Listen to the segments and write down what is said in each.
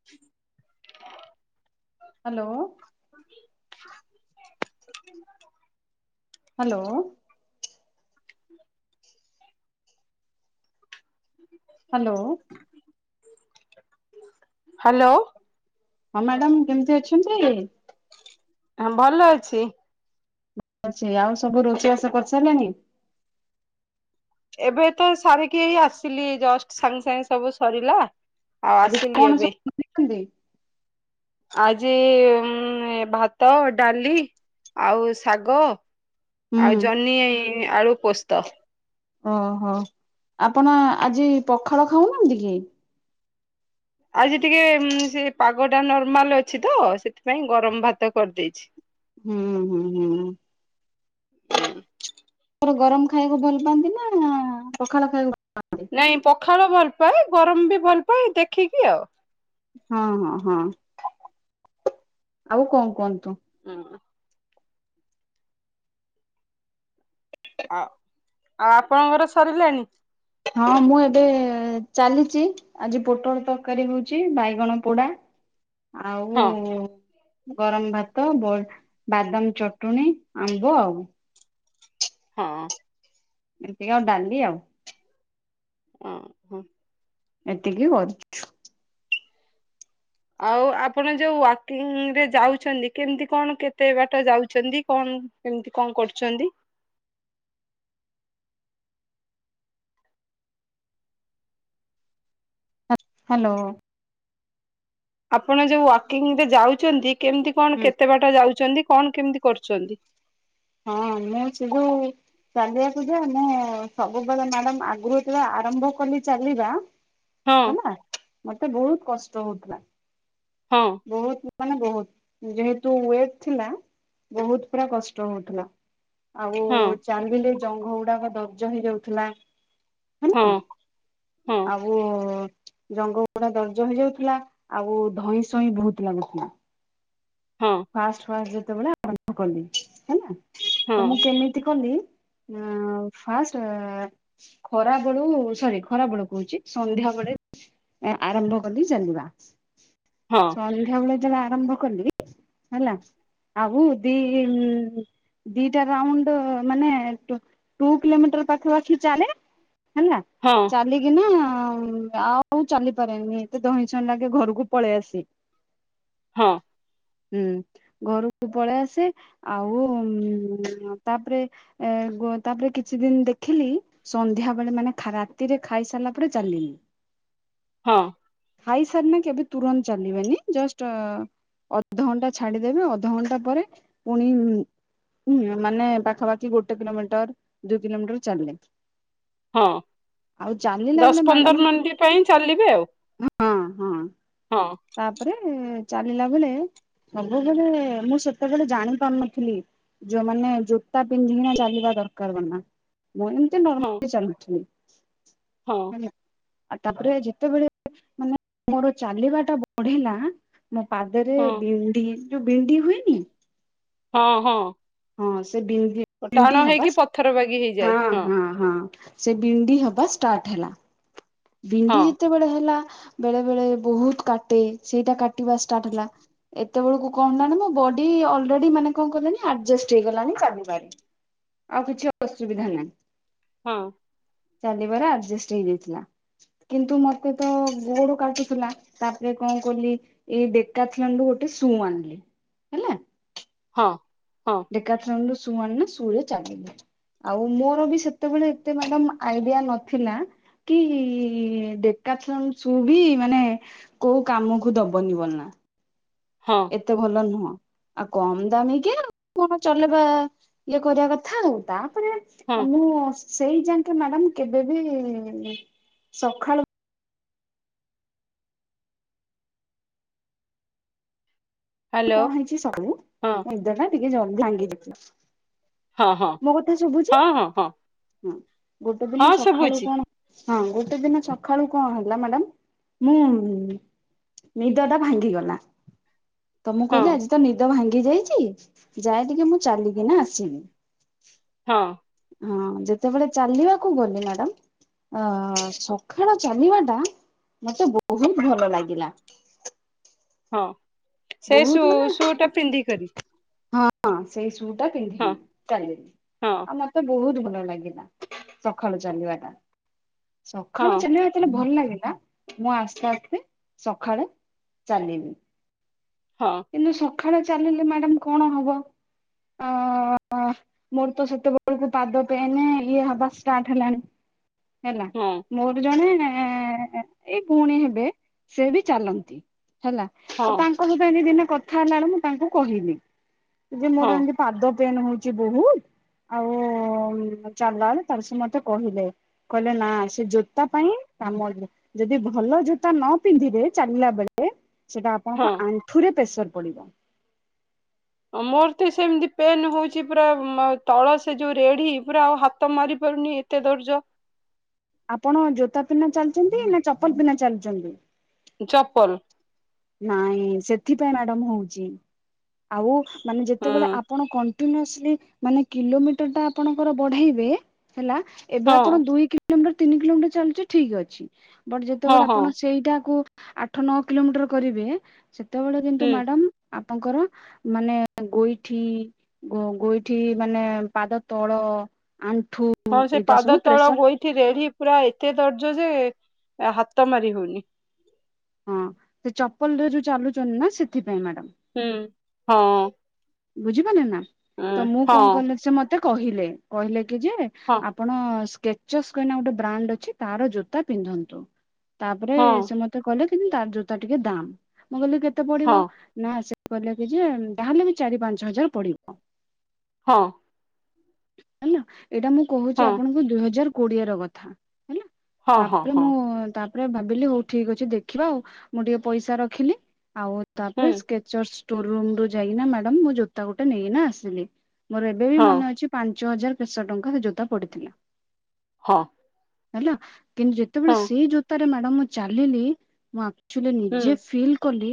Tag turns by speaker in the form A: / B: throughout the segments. A: [unintelligible]
B: Hello.
A: [unintelligible]
B: Hello. Hello.
A: Hello.
B: ହଁ madam କେମିତି ଅଛନ୍ତି?
A: ଭଲ ଅଛି।
B: ଅଛି ଆଉ ସବୁ ରୋଷେଇ ବାସ କରିସାରିଲାଣି?
A: ଏବେ ତ ସାରିକିଇ ଆସିଲି ଜଷ୍ଟ ସାଙ୍ଗେ ସାଙ୍ଗେ ସବୁ ସରିଲା। ଆଉ
B: ଆଜି
A: ଆସିଲି
B: କଣ
A: ଏବେ।
B: ସବୁ ବନେଇଛନ୍ତି?
A: ଆଜି ଭାତ ଡାଲି ଆଉ ଶାଗ
B: ହୁଁ
A: ଆଉ ଜହ୍ନି ଆଳୁ ପୋସ୍ତ।
B: ଓହୋ ଆପଣ ଆଜି ପଖାଳ ଖାଉନାହାନ୍ତି କି?
A: ଆଜି ଟିକେ ସେ ପାଗଟା ନର୍ମାଲ ଅଛି ତ ସେଥିପାଇଁ ଗରମ ଭାତ କରିଦେଇଛି।
B: ହୁଁ ହୁଁ ହୁଁ।
A: ହୁଁ
B: ରେ ଗରମ ଖାଇବାକୁ ଭଲ ପାଆନ୍ତି ନା ପଖାଳ ଖାଇବାକୁ ଭଲ ପାଆନ୍ତି?
A: ନାଇଁ ପଖାଳ ଭଲ ପାାଏ ଗରମ ବି ଭଲ ପାାଏ ଦେଖିକି ଆଉ।
B: ହଁ ହଁ ହଁ ଆଉ କଣ କୁହନ୍ତୁ?
A: ହୁଁ। ଆ ଆଉ ଆପଣଙ୍କର ସରିଲାଣି?
B: ହଁ ମୁଁ ଏବେ ଚାଲିଚି। ଆଜି ପୋଟଳ ତରକାରୀ ହଉଛି ବାଇଗଣ ପୋଡ଼ା ଆଉ
A: ହଁ
B: ଗରମ ଭାତ ବାଦାମ ଚଟୁଣୀ ଆମ୍ବ ଆଉ।
A: ହଁ।
B: ଏମତି ଆଉ ଡାଲି ଆଉ।
A: ଓ ହୋ।
B: ଏତିକି କରଛୁ।
A: ଆଉ ଆପଣ ଯୋଉ ୱାକିଂ ରେ ଯାଉଛନ୍ତି କେମିତି କଣ କେତେ ବାଟ ଯାଉଛନ୍ତି କଣ? କେମତି କଣ କରୁଛନ୍ତି?
B: ହ ହ୍ୟାଲୋ।
A: ଆପଣ ଯୋଉ ୱାକିଂ ରେ ଯାଉଛନ୍ତି କେମିତି କଣ
B: ହୁଁ
A: କେତେ ବାଟ ଯାଉଛନ୍ତି କଣ କେମିତି କରୁଛନ୍ତି?
B: ହଁ ମୁଁ ଚୁଗୁ ଚାଲିବାକୁ ଯିବ ମୁଁ ସବୁବେଳେ ମ୍ୟାଡାମ୍ ଆଗୁରୁ ଯେତେବେଳେ ଆରମ୍ଭ କଲି ଚାଲିବା
A: ହଁ
B: ହେଲା ମତେ ବହୁତ କଷ୍ଟ ହଉଥିଲା।
A: ହଁ।
B: ବହୁତ ମାନେ ବହୁତ ଯେହେତୁ ୱେଟ୍ ଥିଲା ବହୁତ ପୁରା କସ୍ ଷ୍ଟ ହଉ ଥିଲା ଆଉ
A: ହଁ।
B: ଚାଲିଲେ ଜଙ୍ଘ ଗୁଡ଼ାକ ଦର୍ଜ ହେଇଯାଉଥିଲା।
A: ହଁ
B: ହେଲା
A: ହଁ
B: ଆଉ ଜଙ୍ଗ ପୁରା ଦରଜ ହେଇଯାଉଥିଲା ଆଉ ଧଇଁ ସଇଁ ବହୁତ ଲାଗୁଥିଲା।
A: ହଁ।
B: ଫାଷ୍ଟ ଫାଷ୍ଟ ଯେତେବେଳେ ଆରମ୍ଭ କଲି ହେଲା
A: ହଁ
B: ତ ମୁଁ କେମିତି କଲି? ମୁଁ ଫାଷ୍ଟ ଆ ଖରା ବେଳୁ ସରି ଖରା ବେଳୁ କହୁଛି ସନ୍ଧ୍ୟା ବେଳେ ଆରମ୍ଭ କଲି ଚାଲିବା।
A: ହଁ।
B: ସନ୍ଧ୍ୟାବେଳେ ଯବେ ଆରମ୍ଭ କଲି ହେଲା ଆଉ ଦି ହି ଦିଟା ରାଉଣ୍ଡ ମାନେ ଟ ଟୁ କିଲୋମିଟର ପାଖପଖି ଚାଲେ। ହେଲା।
A: ହଁ।
B: ଚାଲିକି ନା ଆଉ ଚାଲିପାରେନି ଏତେ ଧଇଁ ସଇଁ ଲାଗେ ଘରକୁ ପଳେଇ ଆସି।
A: ହଁ।
B: ହୁଁ ଘରୁକୁ ପଳେଇ ଆସେ ଆଉ ତାପରେ ଏ ଗୋ ତାପରେ କିଛି ଦିନ ଦେଖିଲି ସନ୍ଧ୍ୟା ବେଳେ ମାନେ ଖା ରାତିରେ ଖାଇ ସାରିଲା ପରେ ଚାଲିଲି।
A: ହଁ।
B: ଖାଇ ସାରିଲେ କେବେ ତୁରନ୍ତ ଚାଲିବେନି ଜଷ୍ଟ ଅଧଘଣ୍ଟା ଛାଡିଦେବେ ଅଧଘଣ୍ଟା ପରେ ପୁଣି ହୁଁ ମାନେ ପାଖାପାଖି ଗୋଟେ କିଲୋମିଟର ଦୁଇ କିଲୋମିଟର ଚାଲିଲେ
A: ହଁ
B: ଆଉ ଚାଲିଲା ବେଳେ
A: ଦଶ
B: ମ୍ୟାଡାମ
A: ପନ୍ଦର ମିନିଟ ପାଇଁ ଚାଲିବେ ଆଉ।
B: ହଁ ହଁ।
A: ହଁ।
B: ତାପରେ ଚାଲିଲା ବେଳେ ସବୁବେଳେ ମୁଁ ସେତେବେଳେ ଜାଣି ପାରୁନଥିଲି। ଯୋଉ ମାନେ ଜୋତା ପିନ୍ଧିକି ଚାଲିବା ଦରକାର ମନା। ମୁଁ ଏମିତି
A: ହଁ
B: ନର୍ମାଲ ଚାଲୁ ଥିଲି।
A: ହଁ।
B: ଆଉ ତାପରେ ଯେତେବେଳେ ମାନେ ମୋର ଚାଲିବା ଟା ବଢିଲା ମୋ ପାଦରେ
A: ହଁ
B: ବିଣ୍ଡି ଯୋଉ ବିଣ୍ଡି ହୁଏନି।
A: ହଁ ହଁ।
B: ହଁ ସେ ବିନ
A: ଟାଣ
B: ବିଣ୍ଡି ହବା
A: ହେଇକି ପଥର ବାଗି
B: ହଁ
A: ହେଇଯାଏ
B: ହଁ। ହଁ ସେ ବିଣ୍ଡି ହବା ଷ୍ଟାର୍ଟ ହେଲା। ବିଣ୍ଡି
A: ହଁ
B: ଯେତେବେଳେ ହେଲା ବେଳେ ବେଳେ ବହୁତ କାଟେ ସେଇଟା କାଟିବା ଷ୍ଟାର୍ଟ ହେଲା। ଏତେବେଳକୁ କଣ ହେଲାଣି ମୋ ବଡି ଅଲରେଡି ମାନେ କଣ କଲାଣି ଆଡଜଷ୍ଟ ହେଇଗଲାଣି ଚାଲିବାରେ। ଆଉ କିଛି ଅସୁବିଧା ନାହିଁ।
A: ହଁ।
B: ଚାଲିବାର ଆଡଜେଷ୍ଟ ହେଇଯାଇଥିଲା। କିନ୍ତୁ ମତେ ତ ଗୋଡ କାଟୁଥିଲା ତାପରେ କଣ କଲି ଏଇ ଡେକାଥଲୋନ ରୁ ଗୋଟେ ସୁ ଆଣିଲି ହେଲା।
A: ହଁ ହଁ।
B: ଡେକାଥଲୋନ ରୁ ସୁ ଆଣିନା ସୁରେ ଚାଲିଲି। ଆଉ ମୋର ବି ସେତେବେଳେ ଏତେ ମ୍ୟାଡାମ ଆଇଡିଆ ନଥିଲା। କି ଡେକାଥଲୋନ ସୁ ବି ମାନେ କୋଉ କାମକୁ ଦବନି ବଲ ନା।
A: ହଁ
B: ଏତେ ଭଲ ନୁହଁ। ଆଉ କମ ଦାମିକିଆ କଣ ଚଲେଇବା ଇଏ କରିବା କଥା। ଆଉ ତାପରେ
A: ହଁ
B: ମୁଁ ସେଇ ଯାଙ୍କେ ମ୍ୟାଡାମ କେବେବି ସଖାଳୁ
A: ହ୍ୟାଲୋ
B: କଣ ହେଇଛି ସବୁ ମୋ
A: ହଁ
B: ନିଦଟା ଜଲଦି ଟିକେ ଭାଙ୍ଗିଯାଇଚି।
A: ହଁ ହଁ
B: ମୋ କଥା ଶୁଭୁଛି?
A: ହଁ ହଁ ହଁ
B: ଗୋଟେ ଦିନ
A: ହଁ
B: ସଖାଳୁ
A: ଶୁଭୁଛି
B: କଣ ହଁ ଗୋଟେ ଦିନ ସଖାଳୁ କଣ ହେଲା ମ୍ୟାଡାାମ? ମୁଁ ନିଦ ଟା ଭାଙ୍ଗିଗଲା। ତ ମୁଁ
A: ହଁ
B: କହିଲି ଆଜି ତ ନିଦ ଭାଙ୍ଗି ଯାଇଛି ଯାଏ ଟିକେ ମୁଁ ଚାଲିକିନା ଆସିମି।
A: ହଁ।
B: ହଁ ଯେତେବେଳେ ଚାଲିବାକୁ ଗଲି ମ୍ୟାଡାାମ ଅ ସଖାଳ ଚାଲିବା ଟା ମତେ ବହୁତ ଭଲ ଲାଗିଲା।
A: ହଁ ସେ
B: ବହୁତ
A: ସୁ
B: ମାନେ
A: ସୁଟା ପିନ୍ଧିକରି।
B: ହଁ ସେଇ ସୁ ଟା
A: ହଁ
B: ପିନ୍ଧିକିନି। ଚାଲିଲି।
A: ହଁ
B: ଆଉ ମତେ ବହୁତ ଭଲ ଲାଗିଲା ସକାଳୁ ଚାଲିବା ଟା।
A: ହଁ
B: ସକାଳୁ ଚାଲିବା ତାଲେ ଭଲ ଲାଗିଲା? ମୁଁ ଆସ୍ତେ ଆସ୍ତେ ସଖାଳେ ଚାଲିଲି।
A: ହଁ।
B: କିନ୍ତୁ ସଖାଳେ ଚାଲିଲେ ମ୍ୟାଡ଼ାମ କଣ ହବ? ଅଁ ମୋର ତ ସେତେବେଳକୁ ପାଦ ପେନ ଇଏ ହବା ଷ୍ଟାର୍ଟ ହେଲାଣି ହେଲା।
A: ହଁ
B: ମୋର ଜଣେ ଏଇ ଭଉଣୀ ହେବେ ସେ ବି ଚାଲନ୍ତି ହେଲା। ଆଉ
A: ହଁ
B: ତାଙ୍କ ସହିତ ଏମିତି ଦିନେ କଥା ହେଲା ବେଳେ ମୁଁ ତାଙ୍କୁ କହିଲି ଯେ
A: ହଁ
B: ମୋର ଏମିତି ପାଦ ପେନ୍ ହଉଛି ବହୁତୁ ଆଉ ଚାଲିଲା ବେଳେ ତାର ସେ ମତେ କହିଲେ କହିଲେ ନା ସେ ଜୋତା ପାଇଁ କାମ ଯଦି ଭଲ ଜୋତା ନ ପିନ୍ଧିବେ ଚାଲିଲା ବେଳେ ସେଟା ଆପଣଙ୍କ
A: ହଁ
B: ଆଣ୍ଠୁରେ ପ୍ରେସର ପଡିବ।
A: ମୋର ତ ସେମିତି ପେନ୍ ହଉଛି ପୁରା ତଳ ସେ ଯୋଉ ରେଢି ପୁରା ଆଉ ହାତ ମାରି ପାରୁନି ଏ ଏତେ ଦର୍ଜ।
B: ଆପଣ ଜୋତା ପିନ୍ଧା ଚାଲୁଛନ୍ତି ନା ଚପଲ ପିନ୍ଧା ଚାଲୁଛନ୍ତି?
A: ଚପଲ।
B: ନାଇଁ ସେଥିପାଇଁ ମ୍ୟାଡାମ୍ ହଉଛି ଆଉ ମାନେ
A: ହଁ
B: ଯେତେବେଳେ ଆ ଆପଣ କଣ୍ଟିନ୍ୟୁଓସଲି ମାନେ କିଲୋମିଟର ଟା ଆପଣଙ୍କର ବଢେଇବେ ହେଲା। ଏବେ
A: ହଁ
B: ଆପଣ ଦୁଇ କିଲୋମିଟର, ତିନି କିଲୋମିଟର ଚାଲୁଛି ଠିକ ଅଛି ବଟ୍
A: ହଁ
B: ଯେତେବେଳେ
A: ହଁ
B: ଆପଣ ସେଇଟାକୁ ଆଠ, ନଅ କିଲୋମିଟର କରିବେ ସେତେବେଳେ କିନ୍ତୁ
A: ହୁଁ
B: ମ୍ୟାଡ଼ାମ୍ ଆପଣଙ୍କର ମାନେ ଗୋଇଠି। ଗୋ ଗୋଇଠି ମାନେ ପାଦ ତଳ ଆଣ୍ଠୁ।
A: ହଁ ସେ
B: ଏଇଟା
A: ପାଦ
B: ସବୁ
A: ତଳ
B: ପ୍ରେସର
A: ଗୋଇଠି ରେଢି ପୁରା ଏତେ ଦର୍ଜ ଯେ ହାତ ମାରି ହଉନି।
B: ହଁ ସେ ଚପଲରେ ଯୋଉ ଚାଲୁଛନ୍ତି ନା ସେଥିପାଇଁ ମ୍ୟାଡାାମ୍।
A: ହୁଁ ହଁ।
B: ବୁଝିପାଇଲେ ନା ତ ମୁଁ କଣ
A: ହଁ
B: କଲି ସେ ମତେ କହିଲେ କହିଲେ କି ଯେ ଆ
A: ହଁ
B: ଆପଣ ସ୍କେଚସ୍ କନା ଗୋଟେ ବ୍ରାଣ୍ଡ ଅଛି ତାର ଜୋତା ପିନ୍ଧନ୍ତୁ ତାପରେ
A: ହଁ
B: ସେ ମତେ। ସେ କହିଲେ କି ତାର ଜୋତା ଟିକେ ଦାମ୍ ମୁଁ କହିଲି କେତେ
A: ହଁ
B: ପଡିବ। ନା ସେ କହିଲେ କି ଯେ ଯାହାହେଲେ ବି ଚାରି, ପାଞ୍ଚ ହଜାର ପଡିବ।
A: ହଁ।
B: ହେଲା ଏଇଟା ମୁଁ କହୁଛି
A: ହଁ
B: ଆପଣଙ୍କୁ ଦୁଇ ହଜାର କୋଡିଏ ର କଥା ହେଲା।
A: ହଁ ହଁ
B: ତାପରେ
A: ହଁ
B: ମୁଁ ତା। ତାରେ ଭାବିଲି ହଉ ଠିକ ଅଛି ଦେଖିବା ଆଉ ମୁଁ ଟିକେ ପଇସା ରଖିଲି ଆଉ ତାପରେ
A: ହୁଁ
B: ସ୍କେ। ଜଷ୍ଟ ଟୁରୁ ରୁମ୍ ଯାଇନା ମ୍ୟାଡାମ୍ ମୁଁ ଜୋତା ଗୋଟେ ନେଇନା ଆସିଲି ମୋର ଏବେ ବି
A: ହଁ
B: ମନେ ଅଛି। ପାଞ୍ଚ ହଜାର କେଶହ ଟଙ୍କା ରେ ଜୋତା ପଡିଥିଲା।
A: ହଁ।
B: ହେଲା କିନ୍ତୁ ଯେତେବେଳେ
A: ହଁ
B: ସେଇ ଜୋତାରେ ମ୍ୟାଡାମ ମୁଁ ଚାଲିଲି ମୁଁ ଅଚୁଲି
A: ହୁଁ
B: ନିଜେ ଫିଲ୍ କଲି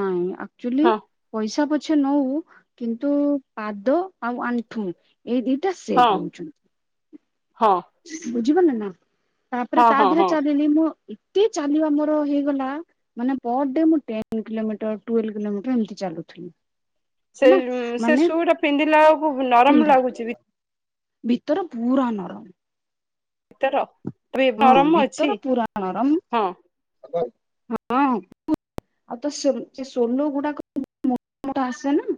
B: ନାଇଁ ଆଚୁଲି।
A: ହଁ
B: ପଇସା ପଛେ ନଉ କିନ୍ତୁ ପାଦ ଆଉ ଆଣ୍ଠୁ। ଏଇ ଦିଟା ସେ
A: ହଁ
B: ଧଉଛନ୍ତି।
A: ହଁ।
B: ବୁଝିିବ ନା ନା ତାପରେ
A: ହଁ
B: ତା
A: ହଁ
B: ଦେହରେ
A: ହଁ
B: ଚା। ଆଚୁଅଲି ମୁଁ ଏତେ ଚାଲିବା ମୋର ହେଇଗଲା। ମାନେ ପର ଡେ ମୁଁ ଟେନ କିଲୋମିଟର ଟ୍ୱଲେଭେ କିଲୋମିଟର ଏମିତି ଚାଲୁଥିଲି।
A: ସେ
B: ହେଲା
A: -ସେ
B: ମାନେ
A: ସୁଟା ପିନ୍ଧିଲା ବେଳୁକୁ ନରମ
B: ପିନ୍ଧ
A: ଲାଗୁଛି।
B: ଭିତର ପୁରା ନରମ।
A: ଭିତର ପୁରୀ
B: ହଁ
A: ନରମ ଅଛି
B: ଭିତର ପୁରା ନରମ
A: ହଁ।
B: ହଁ ଆଉ ତ ସେ ସୋନୁ ଗୁଡାକ। ଆସେ ନା।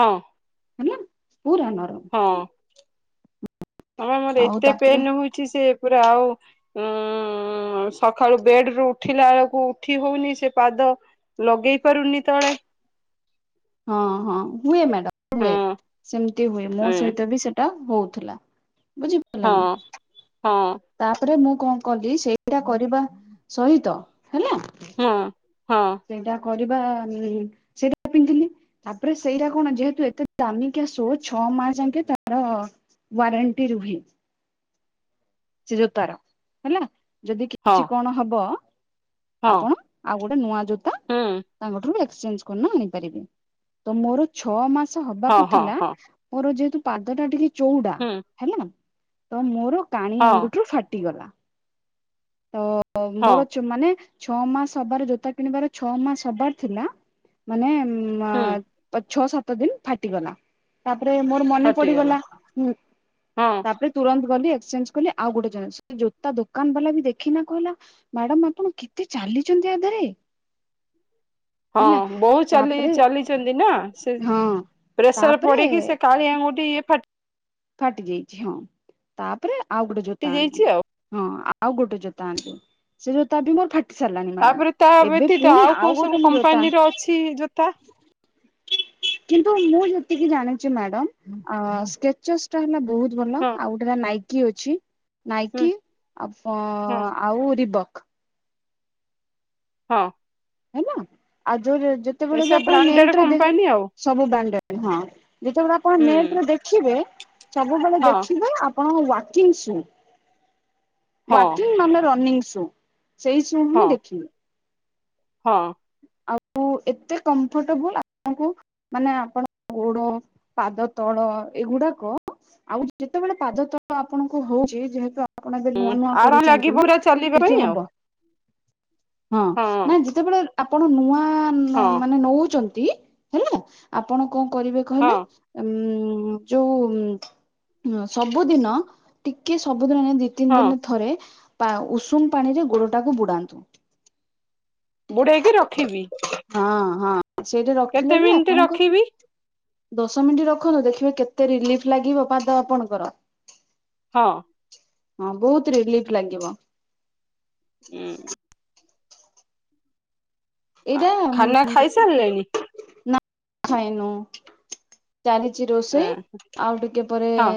A: ହଁ।
B: ହେଲା ପୁରା ନରମ୍
A: ହଁ ହ ମୋର
B: ଆଉ
A: ଏତେ
B: ତାପରେ
A: ପେନ୍ ହଉଛି ସେ ପା ଆଉ ଉଁ ସକାଳୁ ବେଡ ରୁ ଉଠିଲା ବେଳକୁ ଉଠି ହଉନି ସେ ପାଦ ଲଗେଇ ପାରୁନି ତଳେ?
B: ହଁ ହଁ ହୁଏ ମ୍ୟାଡାମ ହୁଏ
A: ହଁ
B: ସେମତି ହୁଏ ମୋ
A: ଏଁ
B: ସହିତ ବି ସେ ହଉଥିଲା ବୁଝିପାରିଲେ
A: ହଁ
B: ନା?
A: ହଁ
B: ତାପରେ ମୁଁ କଣ କଲି ସେଇଟା କରିବା ସହିତ ହେଲା।
A: ହଁ ହଁ।
B: ସେଇଟା କରିବା ନି ତାପରେ ସେଇଟା କଣ ଯେହେତୁ ଏତେ ଦାମୀିକି ଶୋ ଛଅ ମାସ ଆଙ୍କେ ତାର ୱାରଣ୍ଟି ରୁହେ। ସେ ଜୋତାର ହେଲା ଯଦି
A: ହଁ
B: କିଛି କଣ ହବ
A: ହଁ
B: ଆପଣ ଆଉ ଗୋଟେ ନୂଆ ଜୋତା
A: ହୁଁ
B: ତାଙ୍କଠାରୁ ଏକ୍ସଚେଞ୍ଜ କରିନ ନେଇ ପାରିବେ। ତ ମୋର ଛଅ ମାସ
A: ହଁ
B: ହବାକୁ
A: ହଁ
B: ଥିଲା
A: ହଁ
B: ମୋର ଯେହେତୁ ପାଦ ଟା ଟିକେ ଚଉଡା
A: ହୁଁ
B: ହେଲା ତ ମୋର କାଣି
A: ହଁ
B: ଆଣ୍ଡୁଠୁ ଫାଟିଗଲା। ତ
A: ହଁ
B: ମୋର ଛୋ ମାନେ ଛଅ ମାସ ହବାର ଜୋତା କିଣିବାର ଛଅ ମାସ ହବାର ଥିଲା ମାନେ ମା
A: ହୁଁ
B: ଛଅ ସାତ ଦିନ ଫାଟିଗଲା। ତାପରେ ମୋର ମନେ
A: ହଟିଗଲା।
B: ପଡିଗଲା,
A: ହଁ
B: ତାପରେ ତୁରନ୍ତ ଗଲି ଏକ୍ସେଞ୍ କଲି ଆଉ ଗୋଟେ [unintelligible] ଜୋତା ଦୋକାନ ବାଲା ବି ଦେଖି ଦେଖିକିନା କହିଲା ମ୍ୟାଡାମ ଆପଣ କେତେ ଚାଲିଛନ୍ତି ଇୟା ଦେହରେ।
A: ହଁ
B: ହେଲା
A: ବହୁ ଚାଲି
B: ତାପରେ
A: ଚାଲି [unintelligible] ସେ
B: ହଁ
A: ପ୍ରେସର
B: ତାପରେ
A: ପଡ଼ିକି ସେ କାଳୀ ଆଙ୍ଗୁଠି ଫା
B: ଫାଟି ଯାଇଛି ହଁ ତାପରେ ଆଉ ଗୋଟେ ଜୋତା ଆଣିଲି।
A: ଯାଇଛି ଆଉ
B: ହଁ ଆଉ ଗୋଟେ ଜୋତା ଆଣିଚନ୍ତି ସେ ଜୋତା ବି ମୋର ଫା ଦେଖି ସାରିଲାଣି
A: ତାପରେ ତା
B: ମ୍ୟାଡାମ ଏବେ
A: ବ୍ୟତୀତ
B: ପୁଣି
A: କୋଉ
B: ଆଉ
A: ସବୁ
B: ଗୋଟେ ମୁଁ ଜୋତା
A: କମ୍ପାନୀର
B: ଆଣି
A: ଅଛି ଜୋତା
B: କିନ୍ତୁ ମୁଁ ଯେତିକି ଜାଣିଛି ମ୍ୟାଡ଼ାମ୍ ଅ ସ୍କେଚଟ ସ୍କେଚଟା ହେଲା ବୋହୁତ ଭଲ,
A: ହଁ
B: ଆଉ ଗୋଟେଟା ନାଇକି ଅଛି।
A: ହୁଁ
B: ନାଇକି ଆ
A: ହଁ
B: ଆଉ ରିବକ୍।
A: ହଁ।
B: ହେଲା ଆଉ ଯୋଉ ଯେତେବେଳେ କି
A: ଏସବୁ
B: ଆପଣ
A: ବ୍ରାଣ୍ଡେଡ
B: ନେଟ୍ ରେ ଦେ
A: କମ୍ପାନୀ ଆଉ
B: ସବୁ ବେଣ୍ଡେଡ ହଁ ଯେତେବେଳେ ଆପଣ
A: ହୁଁ
B: ନେଟରେ ଦେଖିବେ ସବୁବେଳେ
A: ହଁ
B: ଦେଖିବେ ଆପ ଆପଣ ୱର୍କିଂ ଶୁ
A: ହଁ
B: ନହେଲେ ରନିଂ ଶୁ। ସେଇ ସୁ ହିଁ
A: ହଁ
B: ଦେଖିବେ।
A: ହଁ।
B: ଆଉ ଏତେ କମ୍ଫର୍ଟଏବୁଲ ଆପଣଙ୍କୁ ମାନେ ଆପଣ ଗୋଡ଼ ପାଦ ତଳ ଏଗୁଡ଼ାକ ଆଉ ଯେତେବେଳେ ପାଦ ତ ଆପଣଙ୍କୁ ହଉଛି ଯେହେତୁ ଆପଣ ଏବେ ନୂଆ ନୂଆ
A: ଆର
B: କରୁଛନ୍ତି
A: ଲାଗିବ
B: ନା
A: ପୁରା ଚାଲିବା
B: ଟିକେ
A: ପାଇଁ ଆଉ
B: ହବ। ହଁ ନା ଯେତେବେଳେ ଆପଣ ନୂଆ
A: ହଁ
B: ମାନେ ନୋଉଛ ନଉଛନ୍ତି ହେଲା ଆପଣ କଣ କରିବେ
A: ହଁ
B: କହିଲେ ଉ ଯୋଉ ସବୁଦିନ ଟିକେ ସବୁଦିନ ଯଦି ଦୁଇ ତିନି
A: ହଁ
B: ଦିନରେ ଥରେ ପା ଉଷୁମ ପାଣି ରେ ଗୋଡ଼ଟାକୁ ବୁଡ଼ାନ୍ତୁ।
A: ବୁଡ଼େଇକି ରଖିବି।
B: ହଁ ହଁ ସେଇଟା
A: କେତେ
B: ରଖିଲେ ବି
A: ମିନିଟ
B: ଆପଣଙ୍କୁ
A: ରଖିବି
B: ଦଶ ମିନିଟ ରଖନ୍ତୁ ଦେଖିବେ କେତେ ରିଲିଫ ଲାଗିବ ପାଦ ଆପଣଙ୍କର।
A: ହଁ।
B: ହଁ ବହୁତ ରିଲିଫ ଲାଗିବ।
A: ହୁଁ।
B: ଏଇଟା ଉ
A: ଖାନା ଖାଇସାରିଲେଣି
B: [inaudible] ନା ଖାଇନୁ। ଚାଲିଛି ରୋଷେଇ
A: ହଁ
B: ଆଉ ଟିକେ ପରେ
A: ହଁ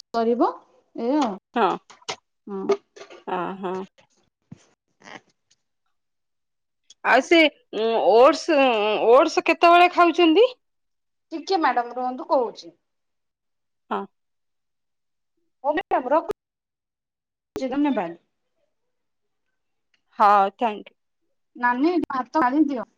B: ସରିବ ଏଇଆ ଆଉ। ହଁ।
A: ହଁ ହଁ। ଆଉ ସେ ଓଡସ୍ ଓଡସ୍ କେତେବେଳେ ଖାଉଛନ୍ତି।
B: ଟିକେ ମ୍ୟାଡ଼ାମ୍ ରୁହନ୍ତୁ କହୁଛି।
A: ହଁ।
B: ହଁ ମ୍ୟାଡ଼ାମ୍ ରଖୁଛି [unintelligible] ଧନ୍ୟବାଦ।
A: ହଁ ଥ୍ୟାଙ୍କ ୟୁ।
B: ନାନି ଭାତ ଗାଲିଦିଅ।